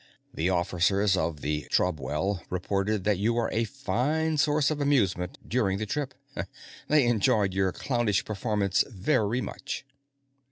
The officers of the Trobwell reported that you were a fine source of amusement during the trip. They enjoyed your clownish performance very much.